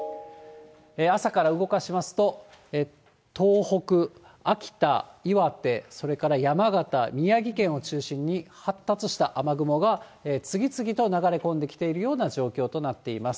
朝から動かしますと、東北、秋田、岩手、それから山形、宮城県を中心に発達した雨雲が次々と流れ込んできているような状況となっています。